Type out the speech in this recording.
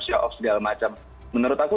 secara off segala macam menurut aku